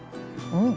うん！